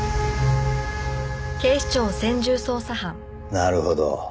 なるほど。